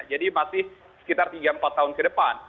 jadi masih sekitar tiga empat tahun ke depan